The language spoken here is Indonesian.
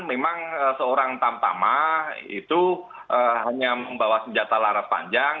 memang seorang tamtama itu hanya membawa senjata laras panjang